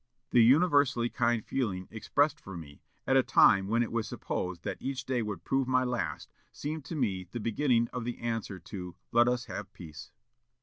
The universally kind feeling expressed for me at a time when it was supposed that each day would prove my last seemed to me the beginning of the answer to 'Let us have peace.'"